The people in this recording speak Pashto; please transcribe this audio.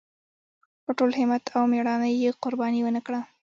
په ټول همت او مېړانۍ یې قرباني ونکړه.